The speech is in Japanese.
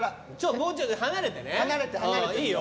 もうちょっと離れてね。